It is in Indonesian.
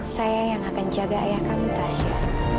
saya yang akan jaga ayah kamu tasya